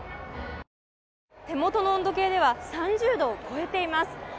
手元の温度計では３０度を超えています。